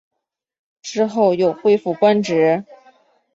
之后又恢复官职。